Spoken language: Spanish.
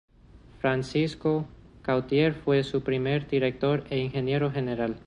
Francisco Gautier fue su primer director e ingeniero general.